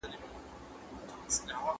موږ وخت تعقيبوو.